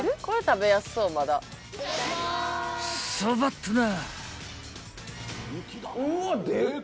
［そばっとな！］